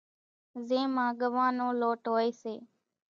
زين مان ڳوان نو لوٽ ھوئي سي،